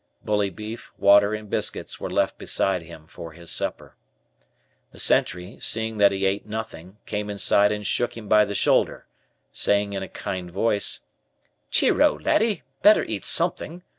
Bully beef, water, and biscuits were left beside him for his supper. The sentry, seeing that he ate nothing, came inside and shook him by the shoulder, saying in a kind voice: "Cheero, laddie, better eat something.